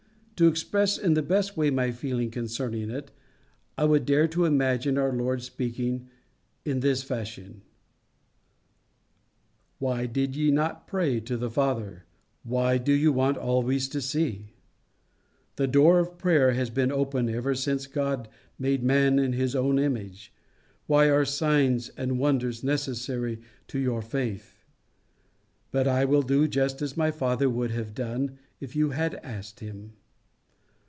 To express in the best way my feeling concerning it, I would dare to imagine our Lord speaking in this fashion: "Why did you not pray the Father? Why do you want always to see? The door of prayer has been open since ever God made man in his own image: why are signs and wonders necessary to your faith? But I will do just as my Father would have done if you had asked him.